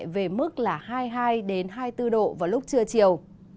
về mức là hai mươi hai hai mươi bốn độ vào lúc trưa chiều